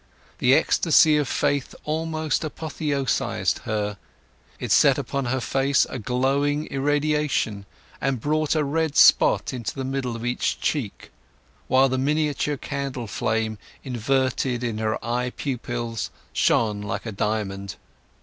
The ecstasy of faith almost apotheosized her; it set upon her face a glowing irradiation, and brought a red spot into the middle of each cheek; while the miniature candle flame inverted in her eye pupils shone like a diamond.